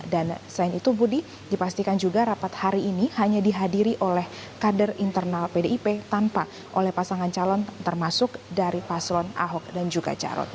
dan selain itu budi dipastikan juga rapat hari ini hanya dihadiri oleh kader internal pdip tanpa oleh pasangan calon termasuk dari paselan ahok dan juga jarot